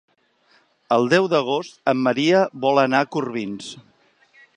El deu d'agost en Maria vol anar a Corbins.